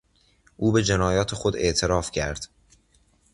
او به جنایات خود اعتراف کرد.